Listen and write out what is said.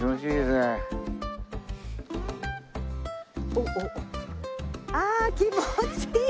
ねっ気持ちいい。